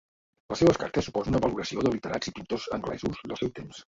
Les seves cartes suposen una valoració de literats i pintors anglesos del seu temps.